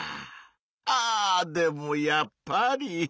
あでもやっぱり。